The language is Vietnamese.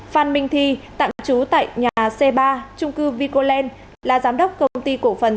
phan minh thi tạm trú tại nhà c ba trung cư vicoland là giám đốc công ty cổ phần